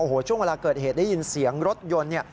โอ้โหช่วงเวลาเกิดเหตุได้ยินเสียงรถยนต์เนี่ย